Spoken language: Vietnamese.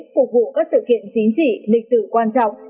phục vụ các sự kiện chính trị lịch sử quan trọng